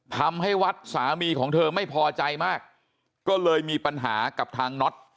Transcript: ทำให้วัดสามีของเธอไม่พอใจมากก็เลยมีปัญหากับทางน็อต